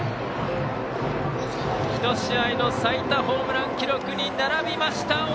１試合の最多ホームラン記録に並びました。